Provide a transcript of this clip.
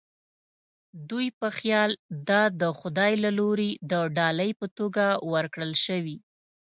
دوی په خیال دا د خدای له لوري د ډالۍ په توګه ورکړل شوې.